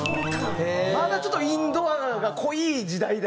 まだちょっとインドアが濃い時代だ。